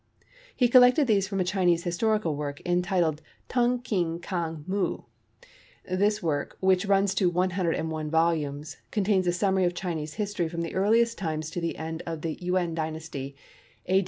He collected these from a Chinese historical work, entitled Tung Keen Kang Muh. This work, which runs to 101 volumes, contains a summary of Chinese history from the earliest times to the end of the Yuen Dynasty, A.